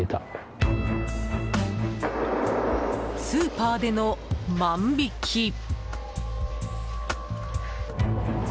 スーパーでの万引き。